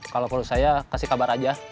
kalau menurut saya kasih kabar aja